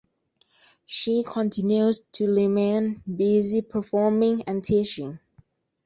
She continues to remain busy performing and teaching.